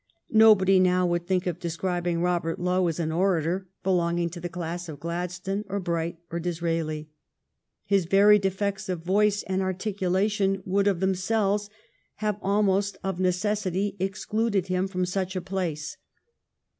Nobody now would think of describ ing Robert Lowe as an orator belonging to the class of Gladstone or Bright or Disraeli. His very defects of voice and articulation would of themselves have almost of necessity excluded him from such a place.